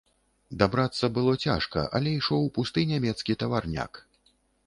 Дабрацца было цяжка, але ішоў пусты нямецкі таварняк.